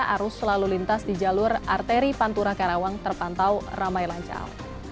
arus lalu lintas di jalur arteri pantura karawang terpantau ramai lancar